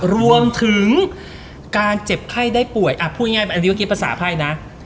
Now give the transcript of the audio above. รวมถึงการเจ็บไข้ได้ป่วยพูดง่ายอันนี้เมื่อกี้ภาษาไพ่นะ